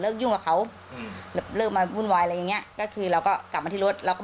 แล้วเปินก็จะมันสั่นสั่นสั่นสักอย่างอ่ะเขาวางมันไปใส่